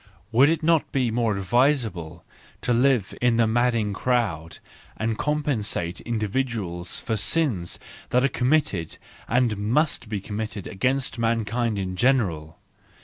Would it not be more advisable to live in the madding crowd, and compensate individuals for sins that are committed and must be committed against mankind in general?